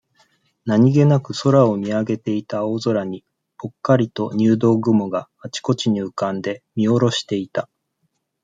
何気なく空を見上げていた青空に、ポッカリと、入道雲が、あちこちに浮かんで、見おろしていた。